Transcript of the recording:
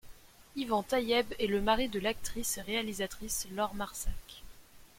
Ivan Taïeb est le mari de l'actrice et réalisatrice Laure Marsac.